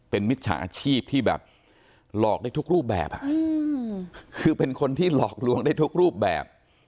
เป็นมิจฉาชีพที่แบบหลอกได้ทุกรูปแบบคือเป็นคนที่หลอกลวงได้ทุกรูปแบบ